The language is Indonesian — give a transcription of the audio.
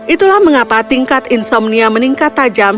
itulah mengapa tingkat insomnia meningkat tajam